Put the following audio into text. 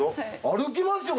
歩きますよ。